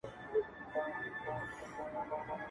خدايه له بـهــاره روانــېــږمه.